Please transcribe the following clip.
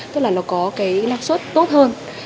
tức là nó có cái lạc suất tốt hơn